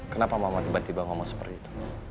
kenapa mama tiba tiba ngomong seperti itu